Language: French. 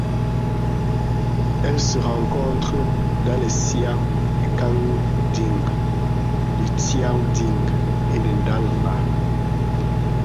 Elle se rencontre dans les xians de Kangding, de Xiaojin et de Danba.